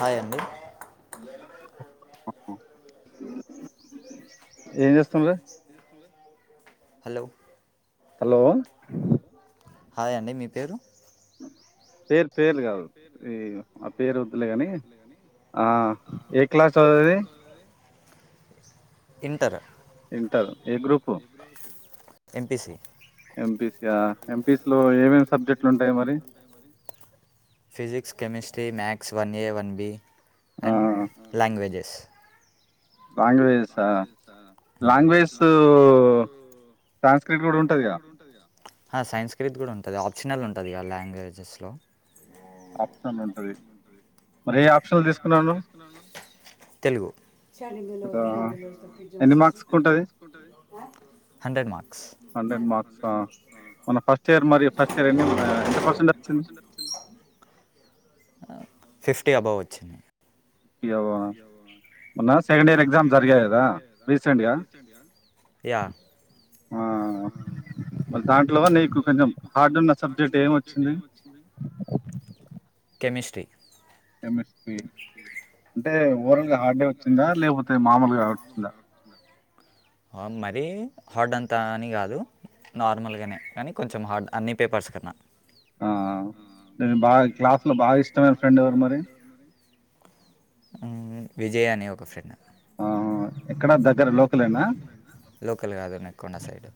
hi అండి ఏం చేస్తాంరే హలో హలో హాయ్ అండి మీ పేరు పేరు పేరు కాదు పేర్లు పేరు వద్దులే ని ఆ ఏ క్లాస్ చదివేది ఇంటర్ ఇంటర్ ఏ గ్రూపు ఎంపిసి ఎంపిసి యా ఎంపిసిలో ఏమేమి సబ్జెక్టులు ఉంటాయి మరి physics chemistry maths one A one B and languages languages అ లాంగ్వేజెస్ ఉ సాంస్క్రిట్ కూడా ఉంటదిగా సాంస్క్రిట్ కూడా ఉంటుంది ఆప్షనల్ ఉంటుంది లాంగ్వేజెస్లో ఆప్షన్ ఉంటది మరి ఏ ఆప్ ఏ ఆప్షన్ తీసుకున్నారు తెలుగు ఎన్ని మార్క్స్ కి ఉంటది హండ్రెడ్ మార్క్స్ మార్క్స్ హ మన ఫస్ట్ ఇయర్ మరి ఫస్ట్ ఇర్ ఎన్ని ఎంత పర్సెంట్ వచ్చింది ఫిఫ్టీ అబొవె వచ్చింది మొన్న సెకండ్ ఇయర్ ఎగ్జామ్ జరిగయి కదా రీసెంట్ గా య ఆ ఉమ్ వాళ్ళ దాంట్లో నీకు కొంచెం హార్డ్ ఉన్న సబ్జెక్ట్ ఏమీ వచ్చింది కెమిస్ట్రీ కెమిస్ట్రీ అంటే మరి హార్డ్ అంతా అని కాదు నార్మల్గానే కానీ కొంచెం హార్డ్ అన్ని పేపర్స్ కన్నా ఆ అ నేను బాగా క్లాస్ లో బాగా ఇష్టమైన ఫ్రెండ్ ఎవరు మరి ఉమ్ విజయ్ అనే ఒక ఫ్రెండ్ ఆ అ ఎక్కడ దగ్గర లోకల్ నా లోకల్ కాదు న కొండ సైడ్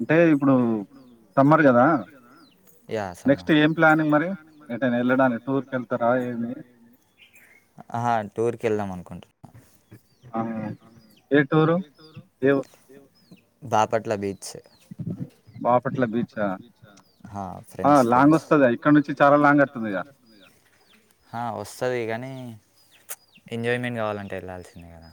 అంటే ఇప్పుడు సమ్మర్ కదా నెక్స్ట్ ఏం ప్లానింగ్ మరి ఏ టైను వెళ్ళడాన్ని టూర్ కు వెళ్తారా ఏమి ఆహ్ టూర్ కి వెళ్దాం అనుకుంటున్నా ఆహ్ అవును ఏ టూర్ ఏ ఉ Bapatla beach Bapatla beach Bapatla beach అ హ ఫ్రెండ్స్ ఫ్రెండ్స్ హ లాంగ్ వస్తది కదా ఇక్కడ నుంచి చాలా లాంగ్ వస్తది కదా ఆ వస్తది గనీ ఎంజాయ్మెంట్ కావాలంటే వెళ్ళాల్సిందే కదా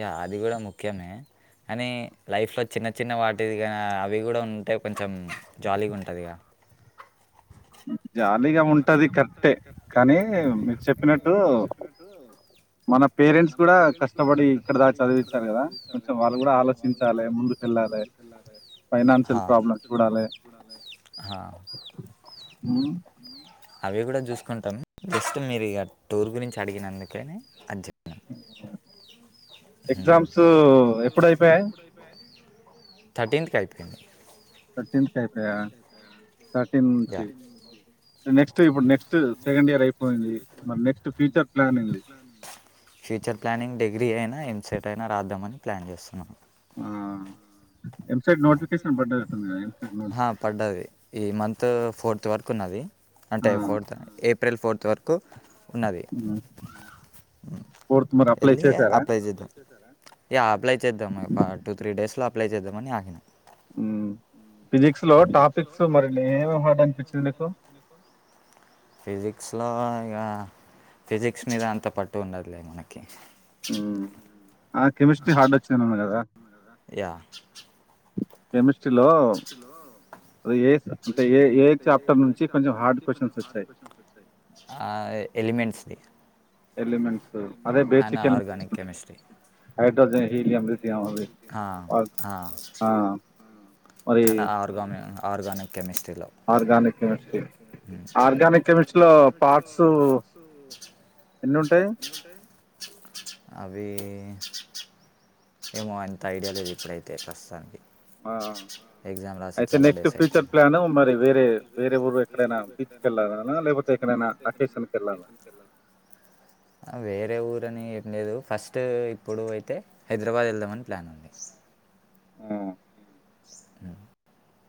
య అది గూడ ముఖ్యమే కానీ లైఫ్లో చిన్న చిన్న వాటి కా అవి కూడా ఉంటే కొంచెం జాలీగా ఉంటుంది గదా [unintelligible] జాలీగా ఉంటది కరెక్టే కానీ మీరు చెప్పినట్టు మన పేరెంట్స్ గూడా కష్టపడి ఇక్కడ దా చదివచ్చారు కదా కొంచెం వాళ్ళు గూడా ఆలోచించాలి ముందుకు కెళ్ళా ఫైనాన్షియల్ ప్రాబ్లమ్ చూడాలే ఊమ్ అవి కూడా జూసుకుంటాం జస్ట్ మీరు ఇగ టూర్ గురించి అడిగినందుకనే అజెపినం ఎగ్జామ్స్ ఎప్పుడ అయిపోయాయి థర్టీన్త్కి అయిపోయినయ్ థర్టీన్త్ కైపోయాయా థర్టీన్ నుంచి నెక్స్ట్ ఇప్పుడు నెక్స్ట్ సెకండ్ ఇయర్ అయిపోయింది మన నెక్స్ట్ ఫ్యూచర్ ప్లాన్ ఏంది ఫ్యూచర్ ప్లానింగ్ డిగ్రీ అయినా ఎంసెట్ అయినా రాద్దామని ప్లాన్ జేస్తున్నాం ఆ ఆ పడ్డది ఈ మంత్ ఫోర్త్ వరకున్నది అంటే ఫోర్త్ ఏప్రిల్ ఫోర్త్ వరకు ఉన్నది ఎళ్ళి అప్లై చేద్దాం యా అప్లై చేద్దాం ఒక టూ త్రీ డేస్ లో అప్లై చేద్దామని ఆగిన ఊ ఫిజిక్స్ లో టాపిక్స్ మరి ఏమేమి హార్ట్ అనిపించినవి నీకు ఫిజిక్స్ లో ఇగ ఫిజిక్స్ మీద అంత పట్టు ఉండదులే మనకి ఊమ్ ఆ కెమిస్ట్రీ హార్డ్ ఒచ్చింది అంటగదా కెమిస్ కెమిస్ట్రీ లో ఆ ఎ ఎలిమెంట్స్ ది ఎలిమెంట్స్ అదే basic elements hydrogen helium lithium అవి అ ఆ అండ్ ఆర్గాని ఆర్గానిక్ కెమిస్ ఆర్గనిక్ కెమిస్ట్రీ ఉమ్ ఆర్గానిక్ కెమిస్ట్రీ లో పార్ట్స్ ఎన్ని ఉంటాయి అవీ ఏమో అంత ఐడియా లేదు ఇప్పుడైతే ప్రస్తుతానికి ఆ అయితే నెక్స్ట్ ఫ్యూచర్ ప్లాన్ మరి వేరే వేరే ఊరు ఎక్కడైనా బీచ్ కి వెళ్ళాలన లేకపోతే ఎక్కడైనా అకేషన్ కెళ్ళాలా అవేం వేరే ఊరు అని ఏం లేదు ఫస్ట్ ఇప్పుడు అయితే హైదరాబాద్ ఎళ్దామని ప్లాన్ ఉంది ఉమ్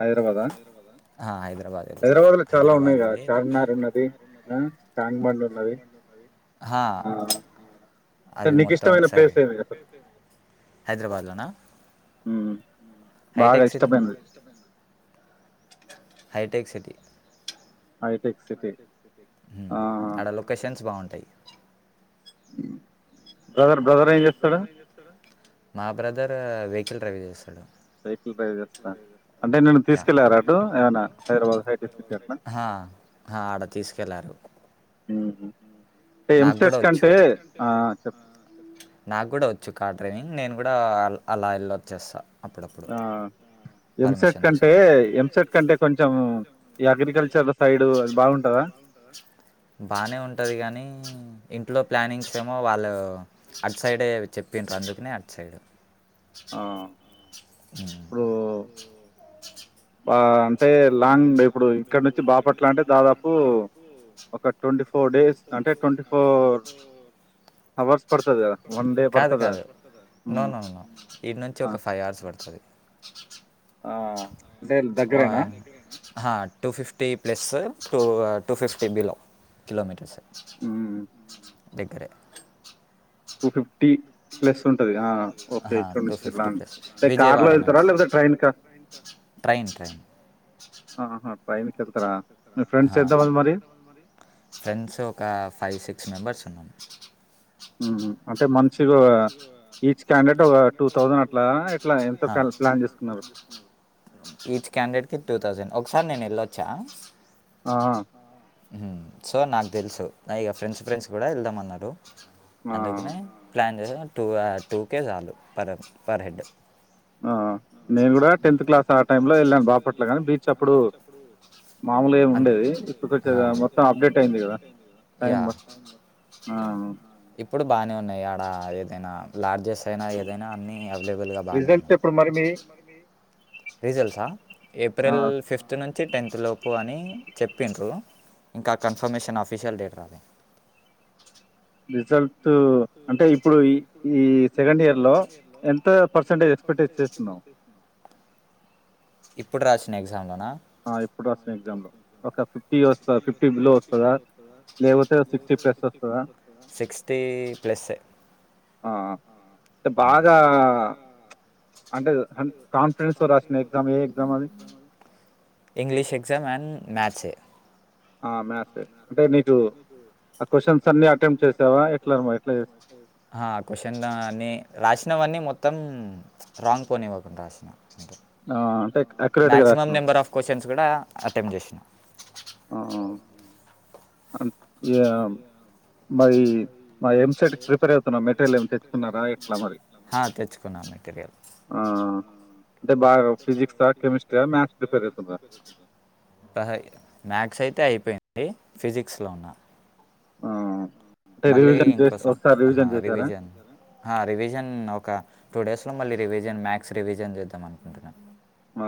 హైదరాబాదా హైదరాబాద్ లో చాలా ఉన్నాయి కదా చార్మినార్ ఉన్నది ఆ టాంక్ బండ్ ఉన్నది హా అంటే నీకు ఇష్టమైన ప్లేస్ ఏది అసలు హైదరాబాద్లోనా హైటెక్ సిటీ హైటెక్ సిటీ హైటెక్ హూ ఆడ లొకేషన్స్ బాగుంటయి బ్రదర్ బ్రదర్ ఏం చేస్తు మా బ్రదర్ వెహికల్ డ్రైవ్ జేస్తడు సైకిల్ డ్రైవ్ చేస్తారా అంటే నిన్ను తీసుకెళ్ళారా అటు ఏమైనా హైదరాబాద్ హైటెక్ సిటీ అట్లా ఆడ తీసుకెళ్లారు ఉహు ఎంసెట్ కంటే ఆ చెప్పు నాకు కూడా వచ్చు కార్ డ్రైవింగ్ నేను కూడా అలా వెళ్లొచ్చేస్తా ఆ ఎంసెట్ కంటే ఎంసెట్ కంటే కొంచెం ఈ అగ్రికల్చర్ బానే ఉంటది గానీ ఇం ఇంట్లో ప్లానింగ్స్ ఏమో వాళ్ళు అట్ సైడే చెప్పండ్రు అందుకనే అటు సైడ్ ఆ అ ఆ అంటే లాంగ్ ఇప్పుడు ఇక్కడి నుంచి బాపట్ బాపట్ల అంటే దాదాపు ఒక ట్వంటీ ఫోర్ డేస్ అంటే ట్వంటీ ఫోర్ కాదు కాదు నోనోనో ఈడ నుంచి ఒక ఫైవ్ అవర్స్ పడతది ఆ two fifty plus two two fifty below kilometres అ దగ్గర టూ ఫిఫ్టీ ప్లస్ ఉంటది ఆ ఓకే ఇ చచ్చలా అంటే కార్ లో వెళ్తారా లేదా ట్రైన్ క ట్రైన్ సార్ ఆహా ట్రైన్కిెల్తార ఫ్రెండ్స్ ఒక ఫైవ్ సిక్స్ మెంబర్స్ ఉన్నాను అంటే మనిషిగా ఈచ్ క్యాండర్డ్ ూౌండ్ ప్లాన్ చే ఈచ్ క్యాండడేట్కి టూ థౌసండ్ ఒకసారి నేను వెళ్ళొచ్చా ఆ సో నాకు తెలుసు నా ఇక ఫ్రెండ్స్ ఫ్రెండ్స్ కూడా వెళ్దాం అన్నారు అందుకనే ప్లాన్ చేసా టూ టూ కే వాళ్ళు పర్ పర్ హెడ్ ఆ నేను కూడా టెన్త్ క్లాస్ ఆ టైమ్ లో వెళ్ళాను బాపట్ల గాని బీచ్ అప్పుడు మామూలుమి ఉండేది ఇప్పుడుకి ఆ యా ఇప్పుడు బానే ఉన్నాయి ఆడ ఏదైనా లార్జెస్ట్ చైనా ఏదైనా అన్నీ అవైలబుల్గా బాగానే ఉన్నాయి రీజల్సా ఏప్రిల్ ఫిఫ్త్ నుంచి టెన్త్ లోపు అని చెప్పిండ్రు ఇంకా కన్ఫర్మేషన్ అఫీషియల్ డేట్ రాద రిజల్ట్ అంటే ఇప్పుడు ఈ ఈ సెకండ్ ఇయర్ లో ఎంత పర్సంటేజ్ ఎస్తుంది ఇప్పుడు రాసిన ఎగ్జామ్ లోనా ఎప్పుడు రాసిన ఎగ్జామ్ లో ఒక ఫిఫ్టీ ఫిఫ్టి వస్తాదా లేక ఫిఫ్టీ ప్లస్ వస్తాదా ప్లస్ె ఆ అంటే బాగా అంటే ఇంగ్లీష్ ఎక్జమ్ అండ్ మ్యాథస్ ఆ మ్యా్స్ అంటే నీకు ఆ క్వశ్చన్ క్వశ్చన్ అన్ని రాసినవీ మొత్తం మొత్తం రాంగ్ పోనీవ ఒకని రాసిన ే మ్యాక్సిమం నెంబర్ ఆఫ్ క్వశ్చన్స్ కూడా అటెంట్ చేసినా అ ఏగ మరి మా ఎంసెట్ి ప్రిపేర్ అవుతున్న మెటీరియల్ ఏమి తెచ్చుకున్నారా ఎట్లా మరి ఆ తెచ్చుకున్నా మెటీరియల్ అంటే బా ఫిజిక్స్ మ్యాథ్స్ అయితే అయిపోయింది ంది ఫిజిక్స్ లోన ఆ మళ్ళీ ఇంకోసం రివిజన్ రివిజన్ ఒక టూ డేస్ అట్ మళ్ళీ రివిజన్ మ్యాథస్ రివిజన్ చేద్దా అనుకుంటున్నాం ఆ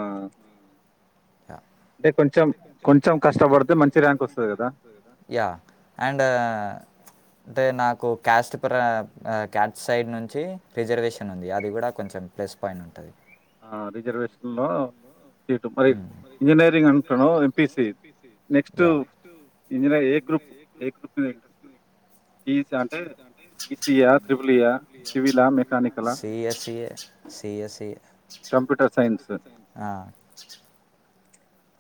ఇ అంటే కొంచెం కొంచం కష్టపడితే మంచి ర్యాంక్ వంది కదా యా అండ్ అంటే నాకు క్యాస్ట్ క్యాస్ సైడ్ నుంచి రిజర్వేషన్ ఉంది అది కూడా కొంచెం ప్లస్ పాయింట్ ఉంటుంది ఆ రిజర్వేషన్ లో సీటు మరి ఇంజనీరింగ్ అంటును MPC next is A group A group interest C S C A C A computer science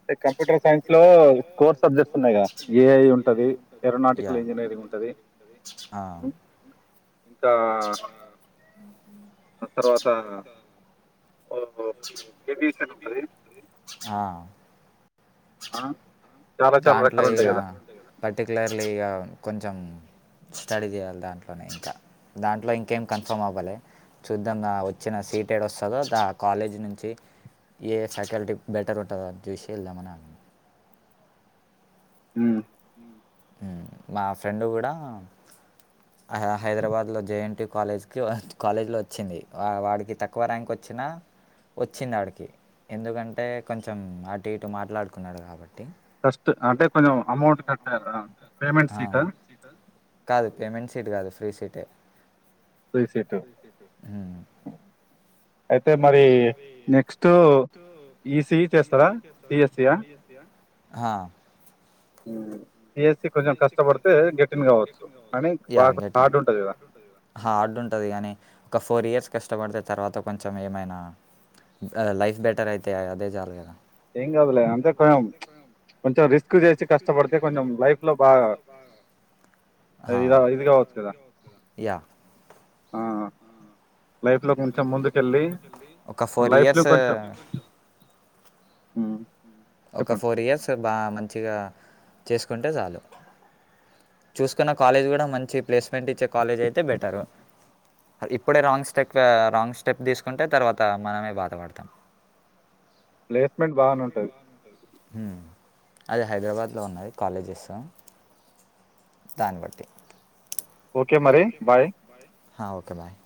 like computer science లో స్కోర్ సబ్జెక్ట్స్ ఉన్నాయి కదా ఏఐ ఉంటంది ఏరోనాటికల్ ఇంజనీర్ంగ్ ఉంటది ఇంకా తర్వాత ఆ ఆ దాంట్లో ఇక పర్టిక్యులర్లీ ఇక కొంచెం స్టడీ చేయాలి దాంట్లోనే ఇంకా దాంట్లో ఇంకేం కన్ఫర్మ్ అవ్వాలే చూద్దాం వచ్చిన సీటేడ్ వస్తుందో ద కాలేజీ నుంచి ఏ ఫ్యాకల్టీ బెటర్ ఉంటుందో అని చూసి వెళ్దామని అ ఉమ్ మా ఫ్రెండు కూడా హైదరాబాద్లో జేఎన్టి కాలజ్ కాలేజీలో వచ్చింది వా వాడికి తక్కువ ర్యాంక్ వచ్చి చిన్న వచ్చినా వచ్చింది ఆడికి ఎందుకంటే కొంచెం అటు ఇటు మాట్లాడుకున్నాడు కాబట్టి ఫస్ట్ అంటే కొంచెం అమౌంట్ కట్టారా ఆ కాదు పేమెంట్ సీట్ కాదు ఫ్రీ సీటే హ అయితే మరి నెక్స్ట్ ఈసీస్త ఆ సి ఎస్ సి కొంచెం కట్టపడితే గట్టెన్ కావచ్చు యా గట్టెన్ కొంచెం హార్డ్ ఉంటాది గ కానీ ఒక ఫోర్ ఇయర్స్ కష్టపడితే తర్వాత కొంచెం ఏమైనా లైఫ్ బెటర్ అయితే అదే చాలు కదా ఏం కాదులే అంటే కొంచెం కొంచెం రిస్క్ చేసి కష్టపడితే కొంచెం లైఫ్ లో బాగా ఇద ఇది కావచ్చు కదా లైఫ్ లో కొంచెం ముందుకెళ్ళి మన లైఫ్ లో కొంచెం హు ఒక ఫోర్ ఇయర్స్ బాగా మంచిగా చేసుకుంటే చాలు చూసుకున్న కాలేజీ కూడా మంచి ప్లేస్మెంట్ ఇచ్చే కాలేజీ అయితే బెటరు ఇప్పుడే రాంగ్ స్టెప్ రాంగ్ స్టెప్ తీసుకుంటే తర్వాత మనమే బాధపడతాం ప్లేస్మెంట్ బాగానే ఉంటది హు అది హైదరాబాద్లో ఉన్నాయి కాలేజెస్ దాన్ని బట్టి ఓకే మరి బాయ్ హ ఓకే బాయ్